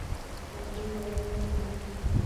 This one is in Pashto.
قران کریم د الله ج کلام دی